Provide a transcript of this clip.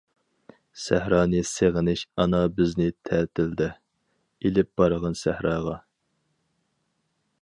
سەھرانى سېغىنىش ئانا بىزنى تەتىلدە، ئىلىپ بارغىن سەھراغا.